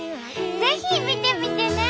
ぜひ見てみてね！